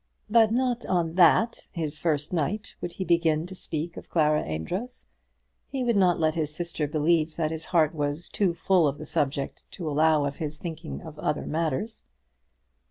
But not on that his first night would he begin to speak of Clara Amedroz. He would not let his sister believe that his heart was too full of the subject to allow of his thinking of other matters.